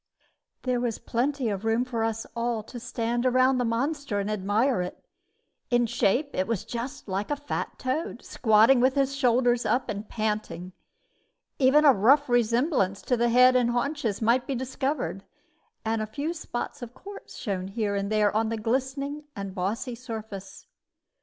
There was plenty of room for us all to stand round the monster and admire it. In shape it was just like a fat toad, squatting with his shoulders up and panting. Even a rough resemblance to the head and the haunches might be discovered, and a few spots of quartz shone here and there on the glistening and bossy surface.